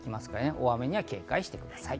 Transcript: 大雨には警戒してください。